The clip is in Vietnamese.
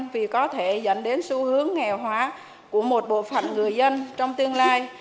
vì có thể dẫn đến xu hướng nghèo hóa của một bộ phận người dân trong tương lai